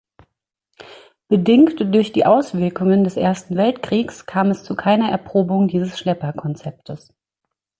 Bedingt durch die Auswirkungen des Ersten Weltkriegs kam es zu keiner Erprobung dieses Schlepper-Konzeptes.